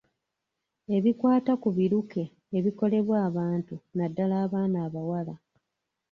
Ebikwata ku biruke ebikolebwa abantu naddala abaana abawala.